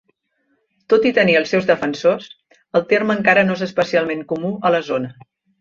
Tot i tenir els seus defensors, el terme encara no és especialment comú a la zona.